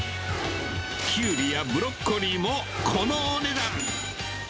きゅうりやブロッコリーも、このお値段。